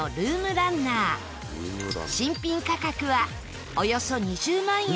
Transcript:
ランナー新品価格は、およそ２０万円